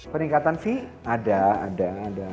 peningkatan fee ada ada ada